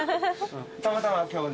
たまたま今日ね。